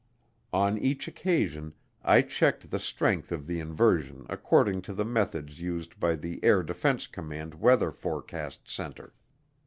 On each occasion I checked the strength of the inversion according to the methods used by the Air Defense Command Weather Forecast Center.